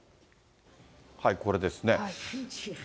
これですね。